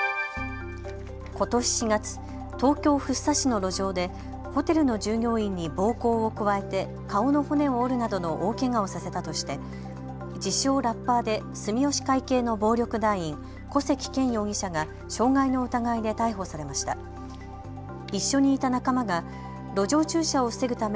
ことし４月、東京福生市の路上でホテルの従業員に暴行を加えて顔の骨を折るなどの大けがをさせたとして自称ラッパーで住吉会系の暴力団員、古関健容疑者が傷害の疑いで逮捕されました。